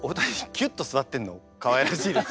キュッと座ってんのかわいらしいです。